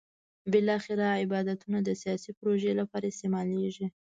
بالاخره عبادتونه د سیاسي پروژې لپاره استعمالېږي.